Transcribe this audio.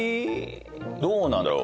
どうなんだろう。